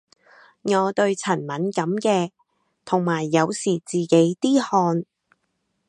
我對塵敏感嘅，同埋有時自己啲汗